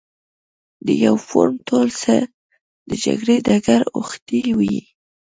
د یوه فورم ټول څه د جګړې ډګر اوښتی وي.